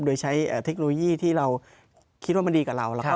โดยใช้เทคโนโลยีที่เราคิดว่ามันดีกว่าเรา